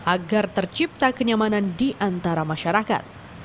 agar tercipta kenyamanan di antara masyarakat